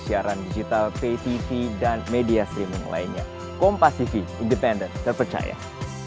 sejauh ini sudah ada pergerakan